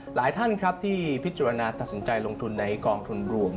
หลายท่านครับที่พิจารณาตัดสินใจลงทุนในกองทุนรวม